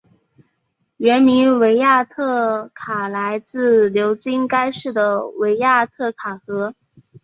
原名维亚特卡来自流经该市的维亚特卡河。